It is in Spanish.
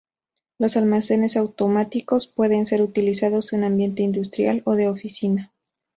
Los almacenes automáticos pueden ser utilizados en ambiente industrial o de oficina.